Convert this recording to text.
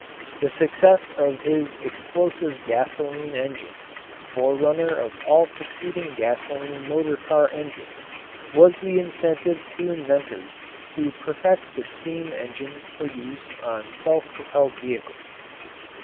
The success of his explosive gasoline engine, forerunner of all succeeding gasoline motor car engines, was the incentive to inventors to perfect the steam engine for use on self propelled vehicles.